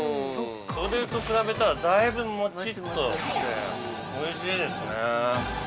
それと比べたら、だいぶもちっとしておいしいですね。